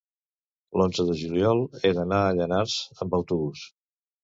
l'onze de juliol he d'anar a Llanars amb autobús.